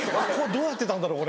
どうやってたんだろう？